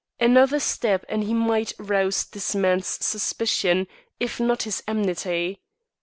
Another step and he might rouse this man's suspicion, if not his enmity.